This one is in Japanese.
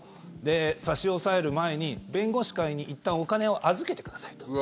差し押さえる前に弁護士会にいったんお金を預けてくださいと。